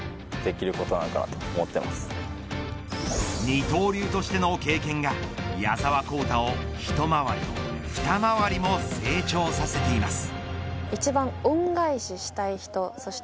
二刀流としての経験が矢澤宏太を一回り二回りも成長させています。